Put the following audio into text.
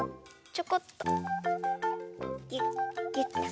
ちょこっと。